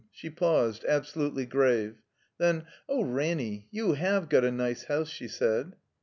She paused, absolutely grave. Then, "Oh, Ranny, you have got a nice house," she said.